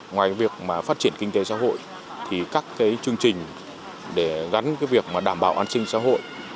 ngoài việc phát triển kinh tế xã hội thì các cái chương trình để gắn việc đảm bảo an sinh xã hội